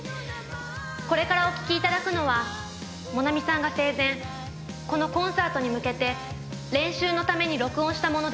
これからお聴きいただくのはもなみさんが生前このコンサートに向けて練習のために録音したものです。